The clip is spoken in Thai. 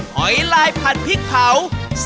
หอยลายผัดพริกเผา